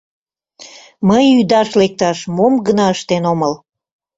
Мый ӱдаш лекташ мом гына ыштен омыл!..